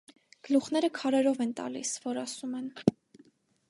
- Գլուխները քարերով են տալիս, որ ասում են: